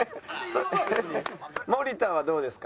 森田はどうですか？